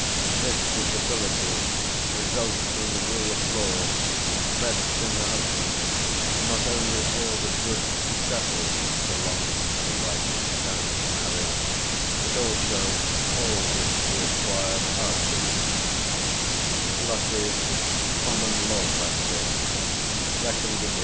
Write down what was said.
This disability results from the rule of law which vests in the husband not only all the goods and chattels which belonged to the wife at the time of the marriage, but also all which she acquires afterwards" (Lush's "Common Law Practice," 2nd ed.